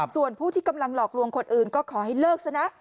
ส่วนผู้ที่กำลังหลอกลวงคนอื่นก็ขอให้เลิกซะนะ